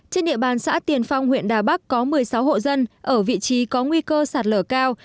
trên địa bàn xã tiền phong huyện đà bắc có một mươi sáu hộ dân ở vị trí có nguy cơ sạt lở cao